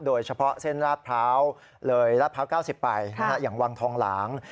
โดยเฉพาะเส้นราดพร้าวเลยลาดพร้าว๙๐ไปอย่างวังทองหลาง